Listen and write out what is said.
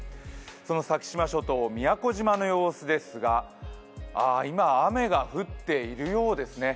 その先島諸島、宮古島の様子ですが今、雨が降っているようですね。